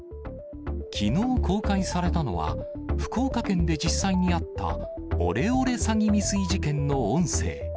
きのう公開されたのは、福岡県で実際にあったオレオレ詐欺未遂事件の音声。